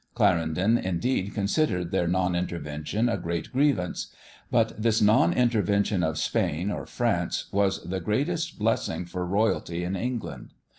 Clarendon indeed considered their non intervention a great grievance. But this non intervention of Spain or France was the greatest blessing for royalty in England.